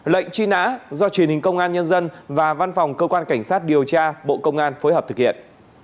lệnh truy nã do truyền hình công an nhân dân và văn phòng cơ quan cảnh sát điều tra bộ công an phối hợp thực hiện